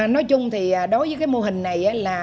nói chung thì đối với cái mô hình này là